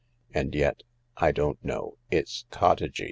.,. And yet, I don't know— it's cottagy.